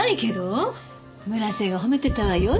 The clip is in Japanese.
村瀬が褒めてたわよ